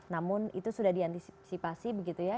namun itu sudah diantisipasi begitu ya